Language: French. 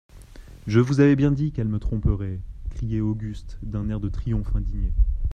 Je vous avais bien dit qu'elle me tromperait ! criait Auguste d'un air de triomphe indigné.